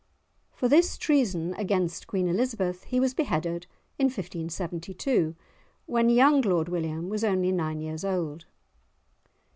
For this treason against Queen Elizabeth he was beheaded in 1572, when young Lord William was only nine years old.